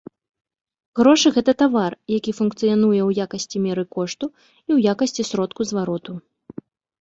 Грошы гэта тавар, які функцыянуе ў якасці меры кошту і ў якасці сродку звароту.